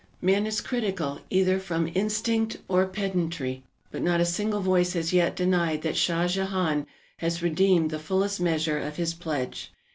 Man is critical either from instinct or pedantry, but not a single voice has yet denied that Shah Jehan has redeemed the fullest measure of his pledge.